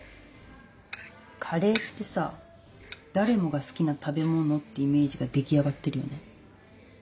カレーってさ誰もが好きな食べ物ってイメージが出来上がってるよね。